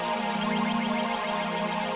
oke dari sini